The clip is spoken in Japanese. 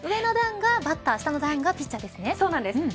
上の段がバッター下の段がピッチャーですね。